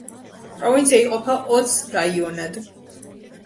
პროვინცია იყოფა ოც რაიონად.